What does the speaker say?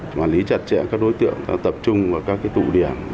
quản lý chặt chẽ các đối tượng tập trung vào các tụ điểm